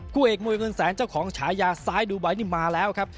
คู่เอกมวยเงินแสนเจ้าของฉายาซ้ายดูไบท์นี่มาแล้วครับ